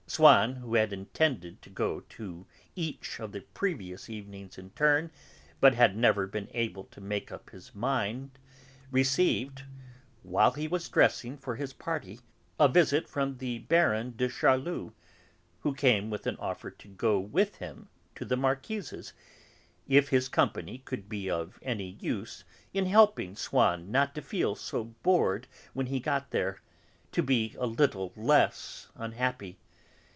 Swann, who had intended to go to each of the previous evenings in turn, but had never been able to make up his mind, received, while he was dressing for this party, a visit from the Baron de Charlus, who came with an offer to go with him to the Marquise's, if his company could be of any use in helping Swann not to feel quite so bored when he got there, to be a little less unhappy.